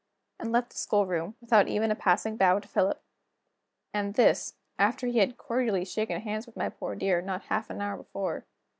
and left the schoolroom, without even a passing bow to Philip. And this, after he had cordially shaken hands with my poor dear, not half an hour before.